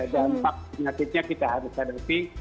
dampak penyakitnya kita harus hadapi